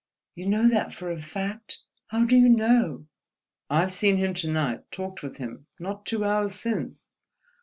"You know that for a fact? How do you know—?" "I've seen him to night, talked with him—not two hours since."